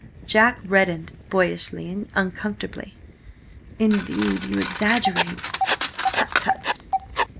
Jack reddened boyishly and uncomfortably. "Indeed, you exaggerate—" "Tut, tut!